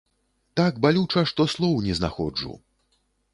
Так балюча, што слоў не знаходжу!